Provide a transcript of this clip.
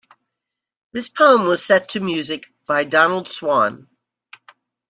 This poem was set to music by Donald Swann.